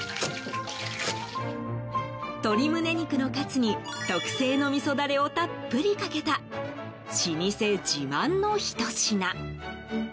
鶏むね肉のカツに特製の味噌ダレをたっぷりかけた老舗自慢のひと品。